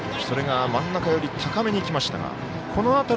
それが真ん中より高めにきました。